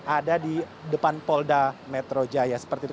ada di depan polda metro jaya seperti itu